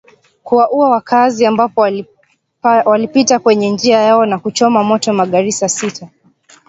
kuwaua wakaazi ambapo walipita kwenye njia yao na kuchoma moto magari sita